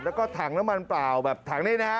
แล้วก็ถังน้ำมันเปล่าแบบถังนี้นะฮะ